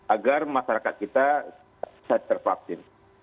agar masyarakat kita bisa tervaksin